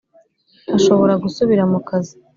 ashobora gusubira mu kazi